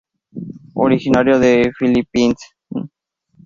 Originaria de Philippines.